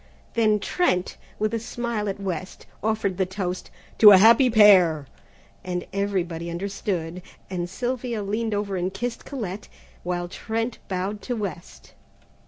Then Trent, with a smile at West, offered the toast, "To a Happy Pair!" and everybody understood, and Sylvia leaned over and kissed Colette, while Trent bowed to West.